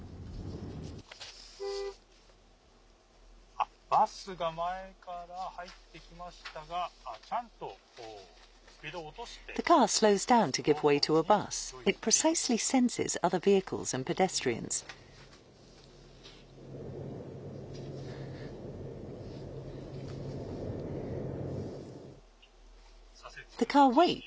あっ、バスが前から入ってきましたが、あっ、ちゃんとスピードを落として、バスに道を譲っています。